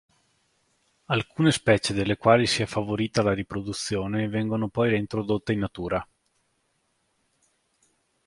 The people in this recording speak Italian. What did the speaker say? Alcune specie delle quali si è favorita la riproduzione vengono poi reintrodotte in natura.